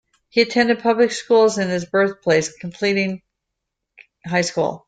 He attended public schools in his birthplace, completing high school.